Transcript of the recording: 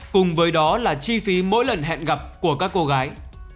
cùng với đó là chi phí mỗi lần hẹn gặp của các cô gái